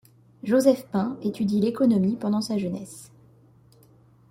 Joseph Punt étudie l'économie pendant sa jeunesse.